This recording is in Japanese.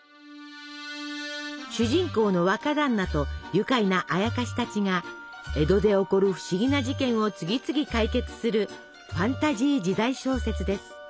主人公の若だんなと愉快なあやかしたちが江戸で起こる不思議な事件を次々解決するファンタジー時代小説です。